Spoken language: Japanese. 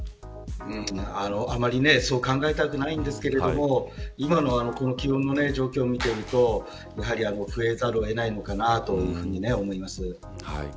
あまり考えたくないんですけど今の気温の状況を見てみるとやはり増えざるを得ないのかなというふうに思います。